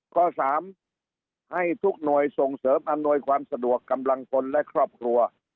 ข้อ๓ให้ทุกหน่วยส่งเสริมอำนวยความสะดวกกำลังพลและครอบครัว